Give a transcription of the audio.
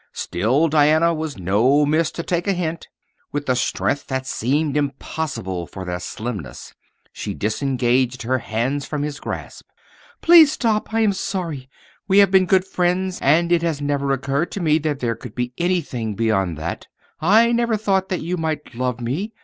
Still, Diana was no miss to take a hint. With a strength that seemed impossible for their slimness she disengaged her hands from his grasp. "Please stop. I am sorry. We have been good friends, and it has never occurred to me that there could be anything beyond that. I never thought that you might love me.